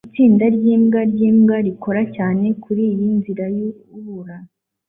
Itsinda ryimbwa ryimbwa rikora cyane kuriyi nzira yubura